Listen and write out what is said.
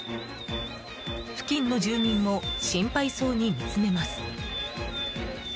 付近の住民も心配そうに見つめます。